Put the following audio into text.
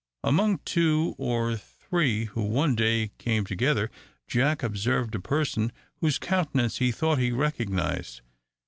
Among two or three who one day came together, Jack observed a person whose countenance he thought he recognised.